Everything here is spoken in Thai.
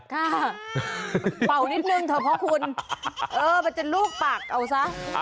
เป่านิดนึงเถอะเพราะคุณเออมันจะลูกปากเอาซะ